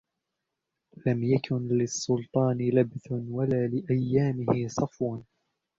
لَمْ يَكُنْ لِلسُّلْطَانِ لُبْثٌ وَلَا لِأَيَّامِهِ صَفْوٌ